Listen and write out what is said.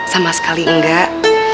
sama sekali enggak